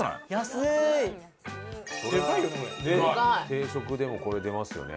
定食でもこれ出ますよね